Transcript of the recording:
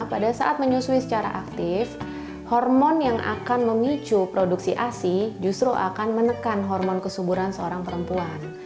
pada saat menyusui secara aktif hormon yang akan memicu produksi asi justru akan menekan hormon kesuburan seorang perempuan